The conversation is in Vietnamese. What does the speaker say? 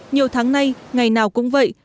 nhiều tháng nay ngày nào cũng vậy